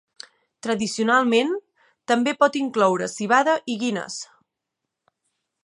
Tradicionalment, també pot incloure civada i Guinness.